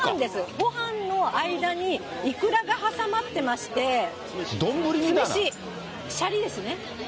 ごはんの間にイクラが挟まってまして、酢飯、シャリですね。